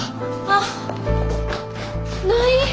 あっない。